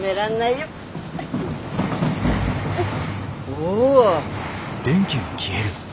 お。